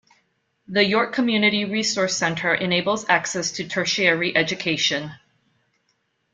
The York Community Resource Centre enables access to tertiary education.